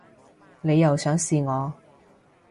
你又想試我